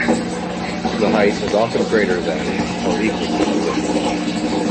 The height is often greater than or equal to the width.